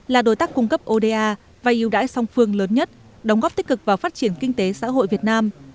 là đối tác cung cấp oda và yêu đãi song phương lớn nhất đóng góp tích cực vào phát triển kinh tế xã hội việt nam